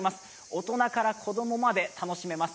大人から子供まで楽しめます。